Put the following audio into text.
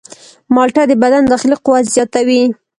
مالټه د بدن داخلي قوت زیاتوي.